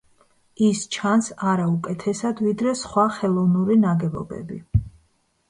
ის ჩანს, არა უკეთესად ვიდრე სხვა ხელოვნური ნაგებობები.